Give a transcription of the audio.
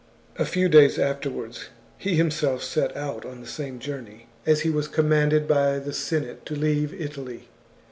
A few days afterwards he himself set out on the same journey, as he was commanded by the Senate to leave Italy.